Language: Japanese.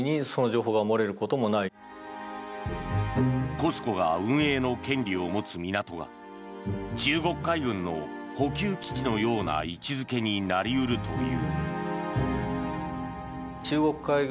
ＣＯＳＣＯが運営の権利を持つ港が中国海軍の補給基地のような位置付けになり得るという。